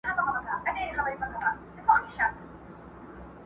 که به دوی هم مهربان هغه زمان سي!.